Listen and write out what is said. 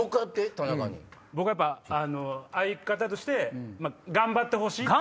やっぱ相方として頑張ってほしいって。